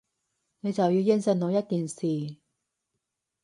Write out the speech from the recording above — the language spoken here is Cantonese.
你就要應承我一件事